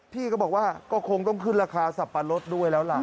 พี่ก็บอกว่าก็คงต้องขึ้นราคาสับปะรดด้วยแล้วล่ะ